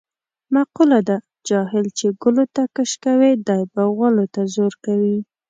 مقوله ده: جاهل چې ګلوته کش کوې دی به غولو ته زور کوي.